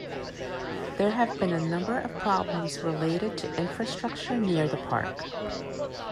There have been a number of problems related to infrastructure near the park.